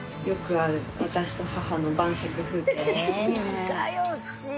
「仲良し！」